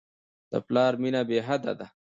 د پلار مینه بېحده ده.